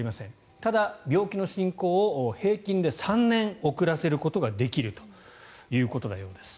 ただ、病気の進行を平均で３年遅らせることができるということのようです。